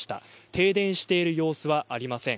停電している様子はありません。